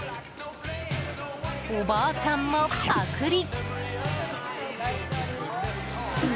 おばあちゃんもパクリ。